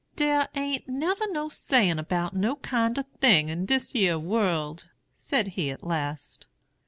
'Der a'n't never no sayin' 'bout no kind o' thing in dis yere world,' said he at last.